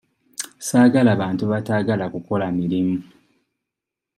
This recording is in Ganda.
Saagala bantu bataagala kukola mirimu.